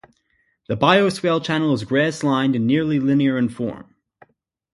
The bioswale channel is grass-lined, and nearly linear in form.